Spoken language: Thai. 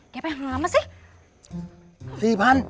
ไปหามาสิ